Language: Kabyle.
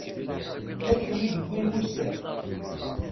Ma d kemm i d-wwin wussan.